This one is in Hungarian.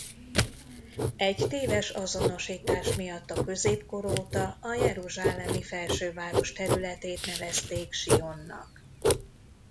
Egy téves azonosítás miatt a középkor óta a jeruzsálemi felsőváros területét nevezték Sionnak.